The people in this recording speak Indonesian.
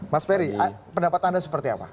mas ferry pendapat anda seperti apa